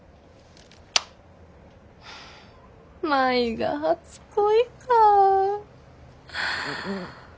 舞が初恋かぁ。